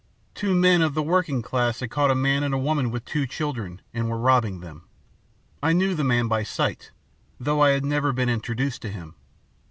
Two men of the working class had caught a man and a woman with two children, and were robbing them. I knew the man by sight, though I had never been introduced to him.